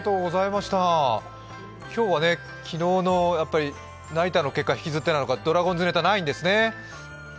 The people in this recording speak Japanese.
今日は昨日のナイターの結果引きずってたのか、ドラゴンズネタ、ないんですね。